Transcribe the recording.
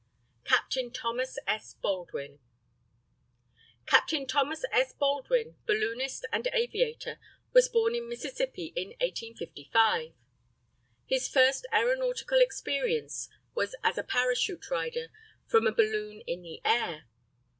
CAPTAIN THOMAS S. BALDWIN. CAPTAIN THOMAS S. BALDWIN, balloonist and aviator, was born in Mississippi in 1855. His first aeronautical experience was as a parachute rider from a balloon in the air.